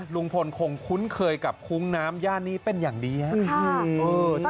ลุงพลคงคุ้นเคยกับคุ้งน้ำย่านนี้เป็นอย่างดีครับ